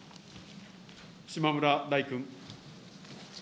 島村大君。